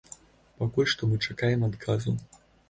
Пакуль што мы чакаем адказу.